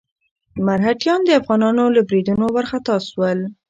مرهټیان د افغانانو له بريدونو وارخطا شول.